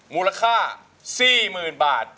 มูลค่า๔๐๐๐บาท